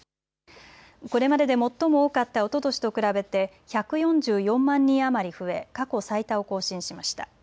これまでで最も多かったおととしと比べて１４４万人余り増え、過去最多を更新しました。